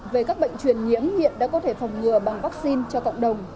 về các bệnh truyền nhiễm hiện đã có thể phòng ngừa bằng vaccine cho cộng đồng